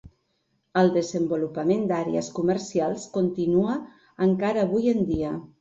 El desenvolupament d'àrees comercials continua encara avui en dia.